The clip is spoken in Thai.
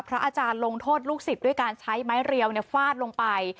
อาจารย์ลงโทษลูกศิษย์ด้วยการใช้ไม้เรียวฟาดลงไป